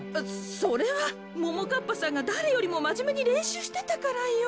それはももかっぱさんがだれよりもまじめにれんしゅうしてたからよ。